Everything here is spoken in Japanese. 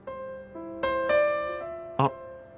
あっ！